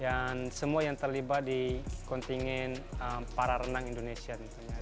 dan semua yang terlibat di kontingen para renang indonesia